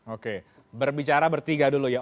oke berbicara bertiga dulu ya